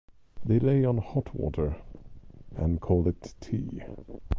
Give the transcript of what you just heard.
They lay on hot water, and call it tea.